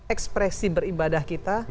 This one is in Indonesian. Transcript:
ekspresi beribadah kita